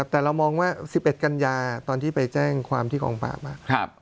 แต่เรามองว่า๑๑กันยาตอนที่ไปแจ้งความที่กองปราบ